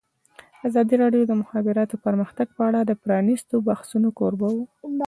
ازادي راډیو د د مخابراتو پرمختګ په اړه د پرانیستو بحثونو کوربه وه.